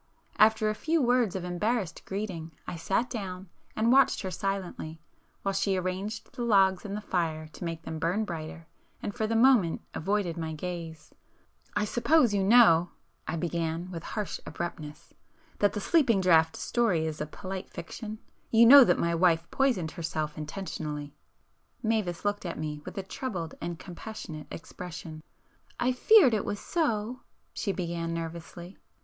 After a few words of embarrassed greeting I sat down and watched her silently, while she arranged the logs in the fire to make them burn brighter, and for the moment avoided my gaze. "I suppose you know,"—I began with harsh abruptness—"that the sleeping draught story is a polite fiction? You know that my wife poisoned herself intentionally?" Mavis looked at me with a troubled and compassionate expression. "I feared it was so—" ... she began nervously.